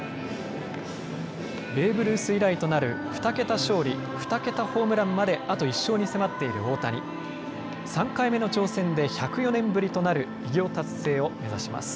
ベーブ・ルース以来となる２桁勝利２桁ホームランまであと１勝に迫っている大谷、３回目の挑戦で１０４年ぶりとなる偉業達成を目指します。